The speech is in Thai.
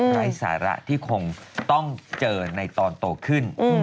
ไร้สาระที่คงต้องเจอในตอนโตขึ้น